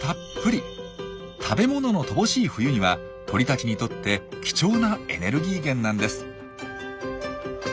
食べ物の乏しい冬には鳥たちにとって貴重なエネルギー源なんです。